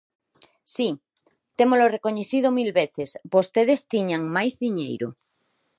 Si, témolo recoñecido mil veces, vostedes tiñan máis diñeiro.